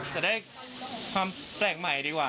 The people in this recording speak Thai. จะได้ความแปลกใหม่ดีกว่า